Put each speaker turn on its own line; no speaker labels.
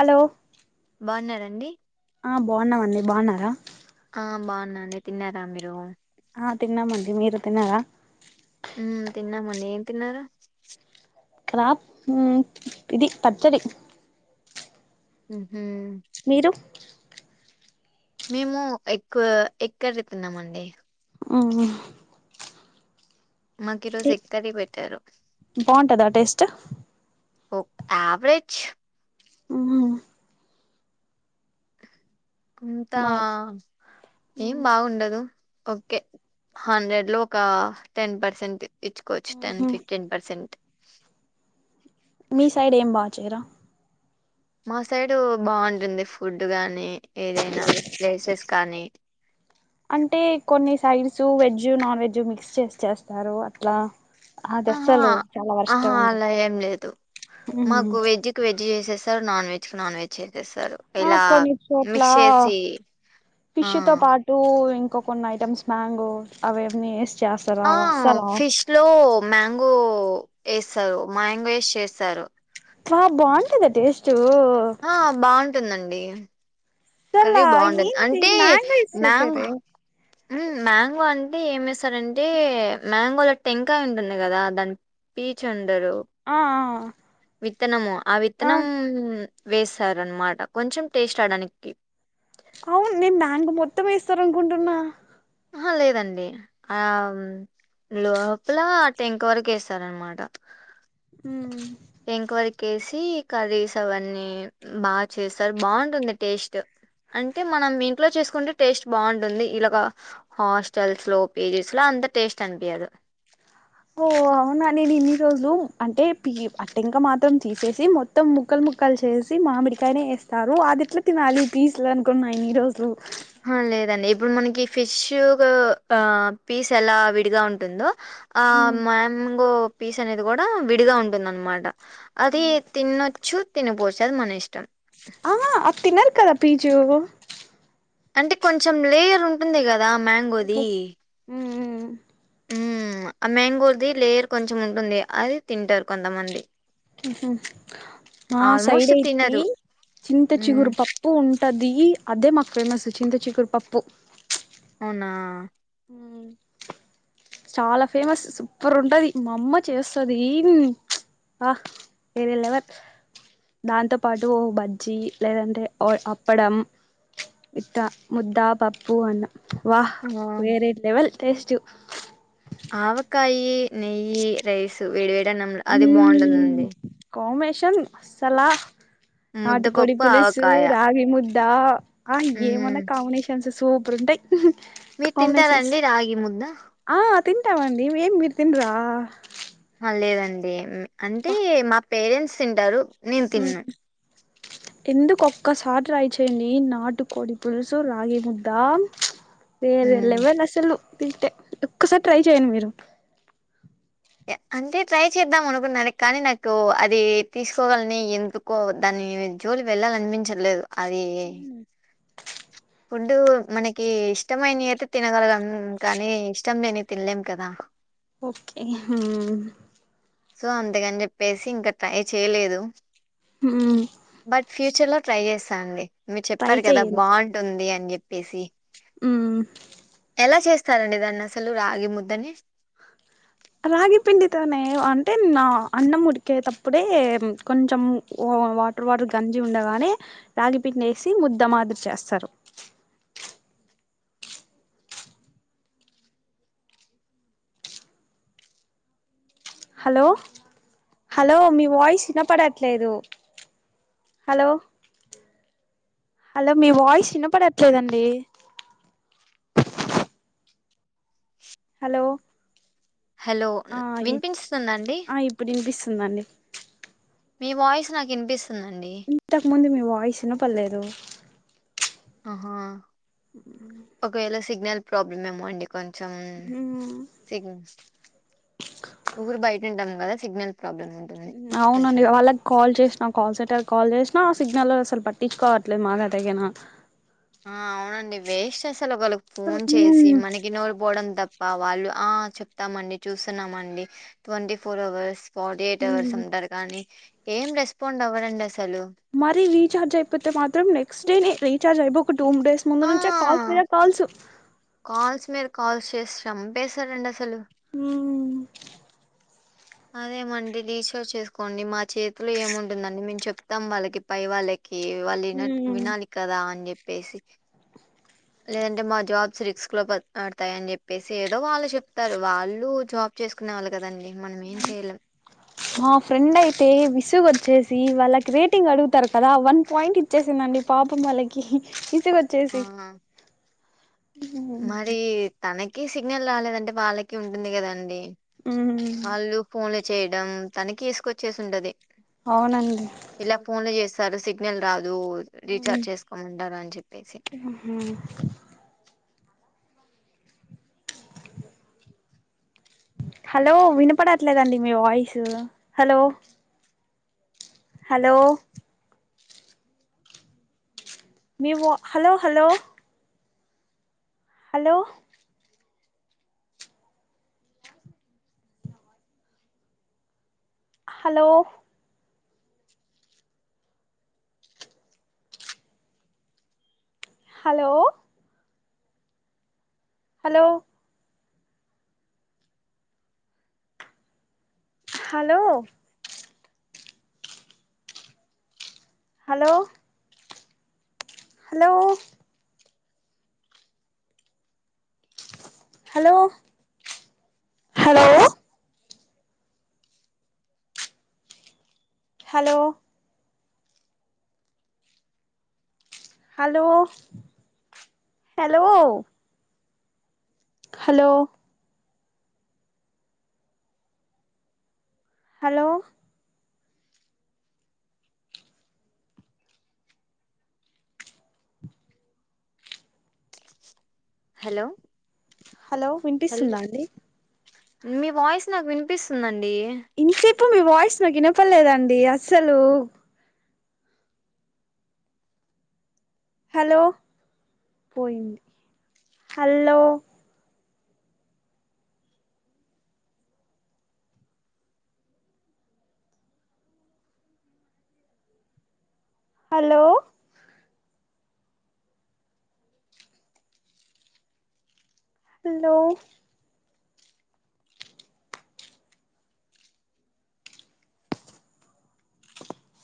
Hello
బాగున్నారండి
ఆ బాగున్నావండి బాగున్నారా?
ఆ బాగున్నాండి తిన్నారా మీరు
ఆ తిన్నామండి మీరు తిన్నారా
ఉ తిన్నామఅండి ఏం తిన్నారు
రా ఇది పచ్చడి
హ ఉ
మీరు
మేము ఎక్కువ ఎక్కడుతున్నామండి
అవు
మాకు ఈరోజు ఎక్తర పెట్టారు
ట్
ఓ యావరేజ్
మ్మ్ అవును
ఇంతా
మా
ఏం బాగుండదు ఓకే హండ్రెడ్ లో ఒక టెన్ పర్సెంట్ ఇట్కోచ్చ టెన్
మ్హ్
ఫిఫ్టీన్ పర్సెంట్
మీ సైడ్ ఏం బాగా చేయరా
మా సైడు బాగుంటుంది ఫుడ్ గాని ఏదైనా లేసెస్ కానీ
అంటే కొన్ని sides veg non veg mix చేసి చేస్తారు అట్లా అది
ఆహా
అస్సలు చాలా వరస్ట్ గా
ఆహా
ఉంటది
అలా ఏం లేదు
మ్
మాకు వెజ్జికి వెజ్జ్ చేసేస్త sir non veg non veg చేసేస్తారు
ఆ
ఇలా
కొన్ని చోట్ల
మిక్స్ చేసి ఆ
పిషతో పాటు ఇం ఇంకా కొన్ని ఐటెమ్స్ మ్యాంగో అవవన్నీ
ఆ ఫిష్ లో మ్యాంగో వేస్తారు మ్యాంగో వేసి చేస్తారు
కాదు బాగుంటదా టేస్ట్ అసల
ఆ బాగుంటుందండి అండి కర్రీ బాగుంటంది
ఏంటి
అంటే
మ్యాంగో
మ్యాంగ్
ఎసేసారే
మ్యాంగో అంటే ఏమి సార్ అంటే మ్యాంగోల్ టెంకాయ ఉంటుంది కదా దాని పీచ్ ఉంట
ఆ
విత్తనముో ఆ విత్తనం వేసారనమాట కొంచెం టేస్ట్ ఆడానికి
అవును నేను మ్యాంగో మొత్తం వేస్తారు అనుకుంటున్నా
ఆ లేదండి ఆ లోప్పులా ఆ టెంక్ వరకు వేస్తార అనమాట
ఉ
ఎంక్వరక్సి కర్రీస్ అవన్నీ బాగా చేస్తారు బాగుంటుంది టేస్ట్ అంటే మనం ఇంట్లో చేసుకుంటే టేస్ట్ బాగుంటుంది ఇలాగా హాస్టల్స్ లో పేజీస్ లో అంత టేస్ట్ అనిపించారు
ఓ అవునా నేను ఇన్ని రోజులు అంటే పి అట్ట ఇంకా మాత్రం తీసేసి మొత్తం ముక్కలు ముక్కలు చేసి మామిడికాయనే వేస్తారు అది ఎట్లా తినాలి తీసలే అనుకున్నా ఇన్ని రోజులు
లేదండి ఇప్పుడు మనకి ఫిష్ ఆ పీస్ ఎలా విడిగా ఉంటుందో ఆ మ్యాంగో పీస్ అనేది కూడా విడిగా ఉంటుంద అనమాట అది తిన్న చూ [unintelligible] అది మన ఇష్టం
ఆ ఆది తిన్నారు కదా పీజు
అంటే కొంచెం లేయర్ ఉంటుంది కదా మంగోది
ఓహో ఉమ్
ఆ మ్యాంగోది లేయర్ కొంచెం ఉంటుంది అది తింటారు కొంతమంది
మా సైడ్
ఆల్మోస్ట్
అయితి
తినరు.
చింత
హ్మ్.
చిగురు పప్పు ఉంటది అదే మాకు ఫేమస్ చింత చికురుపప్పు
అవునా
ఉ చాలా ఫేమస్ సూపర్ ఉంటది మా అమ్మ చేస్తుంది వ లెవెల్ దాంతో పాటు ఓ బజ్జి లేదంటే అప్పడం ఇట్ట ముద్ద పప్పు అన్న వాహ్
ఆ!
వేరే లెవెల్ టెస్టు
ఆవకాయి నెయ్యి రైస్ వేడి వేడ్
ఉమ్ కామ్ షన్ అస్సల్లా నాటి కోడి
ముద్దపప్పు,
పులిసు
ఆవకాయ.
రాగి ముద్ద దా ఆ
హ్మ్.
ఏమనా కాంబినేషన్స్ సుప్ ప్రుంటాయి
మీరు తింటరాండి రాగి ముద్ద
ఆ తింటామండి ఏం మీరు తినరా
ఆ! లేదండి అంటే
అబ్బా
మా పేరెంట్స్ తింటారు నేను తిన్ను
ఎందుకు ఒక్కసారి ట్రై చేయండి నాటుకోడి పులుసు రాగి ముద్దా వేరే
హ్మ్.
లెవెల్ అస్సలు తింటే ఒక్కసారి ట్రై చేయండి మీరు
అంటే ట్రై చేద్దాం అనుకున్నది కానీ నాకు అది తీసుకోవాలని ఎందుకో దాని జోలి వెళ్లాలనిపించట్లేదు అదీ ఫుడ్ మనకి ఇష్టమైనయి అయితే తినగలం కానీ ఇష్టం లేనివి తినలేం కదా
ఓకే ఉమ్
సో అంతకని చెప్పేసి ఇంకా ట్రై చేయలేదు
మ్మ్
బట్ ఫ్యూచర్ లో ట్రై చేస్తా అండి మీరు
ట్రై
చెప్పారు కదా
చెయ్యండి
బాగుంటుంది అని చెప్. పేసి
మ్మ్
ఎలా చేస్ సరండి దాన్ని అసలు రాగి ముద్దని
రాగిపిండితోనే అంటే నా అన్నం ఉడికేటప్పుడే కొంచెం వాటర్ వాటర్ గంజి ఉండగానే రాగి పిండి ఏసి ముద్ద మాదిరి చేస్తారు. హలో హలో మీ వాయిస్ వినపడట్లేదు. హలో హలో మీ వాయిస్ వినపడట్లేదండి. హలో
హలో
ఆ
వినిపిస్తుందా అండి.
దండి
మీ వాయిస్ నాకు వినిపిస్
ఇంతాక ముందు మీ వా వాయిస్ వినపడలేదు.
ఆహా
అ
ఒకవేళ సిగ్నల్ ప్రాబ్లమ్ ఏమో అండి. కొంచెం రు బయట ఉంటాము కదా. సిగ్నల్ ప్రాబ్లం ఉంటుంది కొంచెం
అవునండి వాళ్ళకి కాల్ చేసినా కాల్ సెంటర్ కాల్ చేసిన, నా సిగ్నల్ అసలు పట్టించుకోవట్లేదు. మాగ తగిన
ఆ అవునండి వేస్ట్ అసలు ఒకళ్ళకి ఫోన్
అసలు
చేసి మనకి నోరి పోవడం తప్ప. వాళ్ళు చెప్తామండి, చూస్తున్నామండి. Twenty four hours forty eight hours ఉంటారు కానీ ఏం రెస్పాండ్ అవ్వడు అ
మరి రీచార్జ్ అయిపోతే మాత్రం నెక్స్ట్ డే ర చా బు టూ డేస్ ముందు
ఆ
నుంచే కాల్స్ మీద కాల్సు
కాల్ చేసాంపసారండి అసలు
ఉమ్
అదేమండి రీఛార్జ్ చేసుకోండి. మా చేతులో ఏముంటుందండి. మేము చెప్తాం వాళ్ళకి పై వాళ్ళ వాళ్ళు వినట్
ఉమ్
వినాలి కదా అని చెప్పి పేసి లేదంటే మా జాబ్స్ రిస్క్ లో పడతాయ అని చెప్పేసి ఏదో వాళ్ళు చెప్తారు. వాళ్ళు జాబ్ చేసుకునే వాళ్ళు కదండి.
మా ఫ్రెండ్ అయితే విసుగు వచ్చే వాళ్ళకి రేటింగ్ అడుగుతారు. కదా వన్ పాయింట్ ఇచ్చేసిందండి పాపం వాళ్ళకి సి
ఆ!
కొచ్చేసి
మరి తనకి క సిగ్నల్ రాలేదంటే వాళ్ళకి ఉంటుంది కదా అండి. ఆళ్ళు ఫోన్ చేయడం తనకి విసుకొచ్చేసి ఉంటది
అవునండి
ఇలా ఫోన్లు చేస్ సరే సిగ్నల్ రాద్ రీచార్జ్ చేసుకోమంటారు అని చెప్పేసి
హలో వినపడట్లేదండి మీ వాయిస్ హలో హలో మీ వా hello hello hello hello hello hello hello hello hello hello hello hello hello hello hello hello
hello
hello
hello!
వినిపిస్తుందా అండి
మీ వాయిస్ నాకు వినిపిస్తుందం అండి
ఇంతసేపు మీ వాయిస్ నాకు వినపలేదండి అస్సలు హలో పోయింది హలో హలో హలో